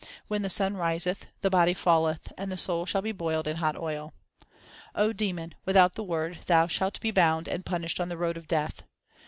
When the sun riseth, 3 the body falleth, and the soul shall be boiled in hot oil. demon, without the Word thou shalt be bound and punished on the road of death.